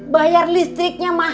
bayar listriknya mahal